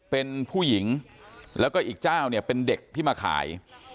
เป็นผู้หญิงแล้วก็อีกเจ้าเนี่ยเป็นเด็กที่มาขาย